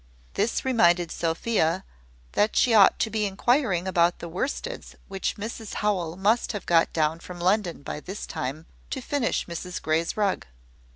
This reminded Sophia that she ought to be inquiring about the worsteds which Mrs Howell must have got down from London by this time, to finish Mrs Grey's rug.